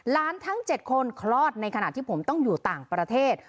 ทั้ง๗คนคลอดในขณะที่ผมต้องอยู่ต่างประเทศ